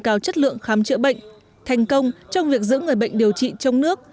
nâng cao chất lượng khám chữa bệnh thành công trong việc giữ người bệnh điều trị trong nước